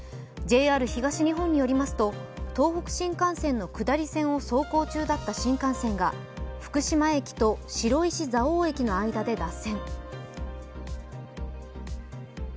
ＪＲ東日本によりますと、東北新幹線の下り線を走行中だった新幹線が福島県と白石蔵王駅の間で脱線。